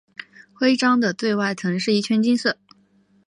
徽章的最外层是一圈金色。